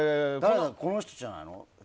この人じゃないの？